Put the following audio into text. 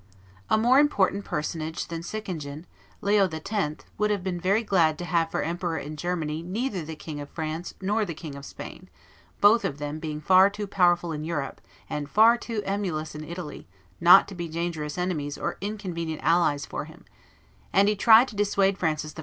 A more important personage than Sickingen, Leo X., would have been very glad to have for emperor in Germany neither the King of France nor the King of Spain, both of them being far too powerful in Europe and far too emulous in Italy not to be dangerous enemies or inconvenient allies for him; and he tried to dissuade Francis I.